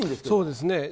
そうですね。